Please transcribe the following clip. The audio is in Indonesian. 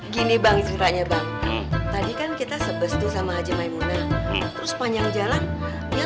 gini bang sebenarnya bang tadi kan kita sebes tuh sama haji maemunah terus panjang jalan dia